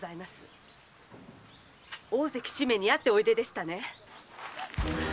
大関主馬に会っておいででしたね？